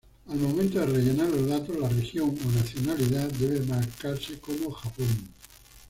Al momento de rellenar los datos, la región o nacionalidad debe marcarse como Japón.